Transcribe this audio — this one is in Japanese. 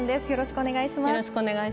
よろしくお願いします。